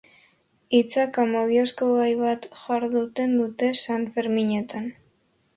Hitzak amodiozko gai bat jarduten dute Sanferminetan.